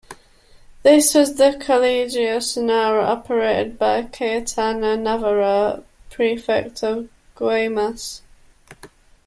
This was the Colegio Sonora operated by Cayetano Navarro, Prefect of Guaymas.